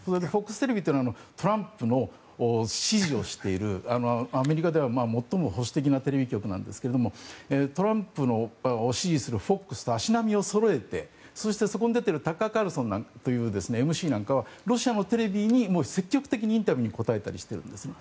ＦＯＸテレビというのはトランプの支持をしているアメリカでは最も保守的なテレビ局なんですがトランプを支持するＦＯＸと足並みをそろえてそこに出ているＭＣなんかはロシアのテレビに積極的にインタビューに答えたりしているんですね。